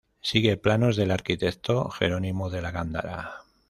Sigue planos del arquitecto Jerónimo de la Gándara.